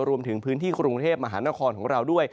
รวมถึงพื้นที่กรุงเทพมหานครของเราด้วย